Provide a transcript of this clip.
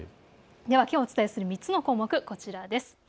きょうお伝えする３つの項目、こちらです。